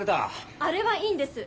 あれはいいんです。